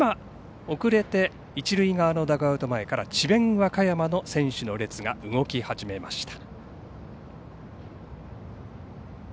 遅れて一塁側のダグアウト前から智弁和歌山の選手の列が動き始めました。